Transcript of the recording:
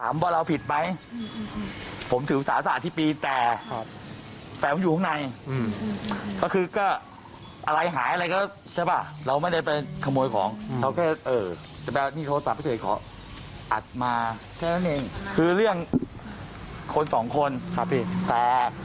มาฟ้องย่าพี่น้องทำผมหาผมไปโน่นนี่น่ะ